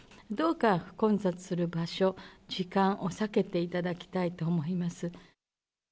どうか混雑する場所、時間を避けていただきたいと思います。